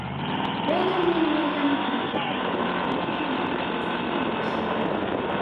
Benjamini Williamu Mkapa alifariki mwaka elfu mbili na ishirini